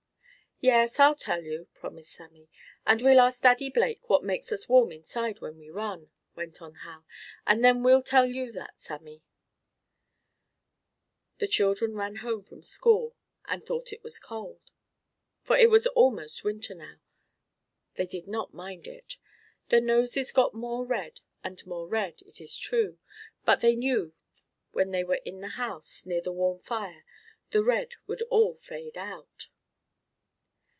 "Yes, I'll tell you," promised Sammie. "And we'll ask Daddy Blake what makes us warm inside when we run," went on Hal, "and then we'll tell you that, Sammie." The children ran home from school, and, thought it was cold, for it was almost winter now, they did not mind it. Their noses got more and more red, it is true, but they knew when they were in the house, near the warm fire, the red would all fade out.